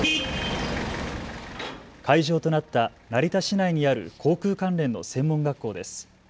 会場となった成田市内にある航空関連の専門学校です。